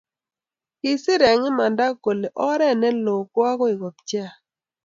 kisiir eng imanda, kole oret neloo koagoi kopcheak